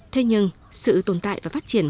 thế nhưng sự tồn tại và phát triển